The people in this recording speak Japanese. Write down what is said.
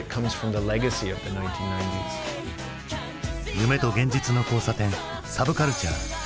夢と現実の交差点サブカルチャー。